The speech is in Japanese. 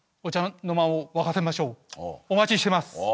お待ちしてます！